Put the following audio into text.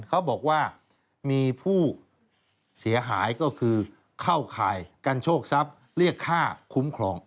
เขาบอกว่ามีผู้เสียหายก็คือเข้าข่ายกันโชคทรัพย์เรียกค่าคุ้มครอง